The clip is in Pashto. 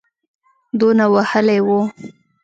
دونه وهلی وو.